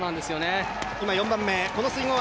今、４番目。